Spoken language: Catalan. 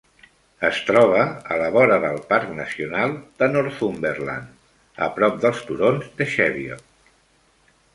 Es troba a la vora del parc nacional de Northumberland, a prop dels turons de Cheviot.